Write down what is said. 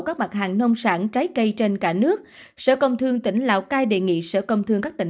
các mặt hàng nông sản trái cây trên cả nước sở công thương tỉnh lào cai đề nghị sở công thương các tỉnh